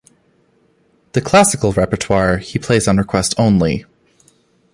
The classical repertoire he plays on request only.